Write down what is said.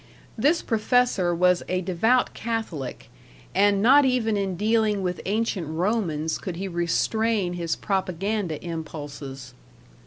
This professor was a devout Catholic, and not even in dealing with ancient Romans could he restrain his propaganda impulses.